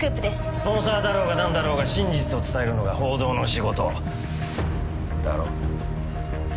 スポンサーだろうが何だろうが真実を伝えるのが報道の仕事だろ？